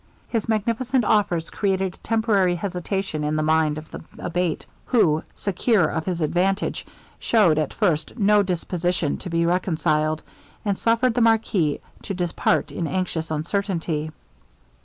His magnificent offers created a temporary hesitation in the mind of the Abate, who, secure of his advantage, shewed at first no disposition to be reconciled, and suffered the marquis to depart in anxious uncertainty.